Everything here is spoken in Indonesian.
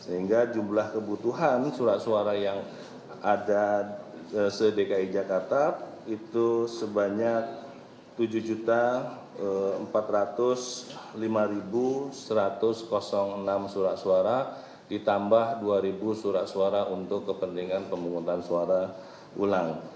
sehingga jumlah kebutuhan surat suara yang ada se dki jakarta itu sebanyak tujuh empat ratus lima satu ratus enam surat suara ditambah dua surat suara untuk kepentingan pemungutan suara ulang